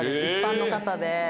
一般の方で。